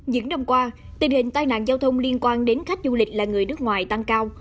những năm qua tình hình tai nạn giao thông liên quan đến khách du lịch là người nước ngoài tăng cao